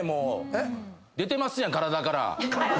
えっ？出てますやん体から。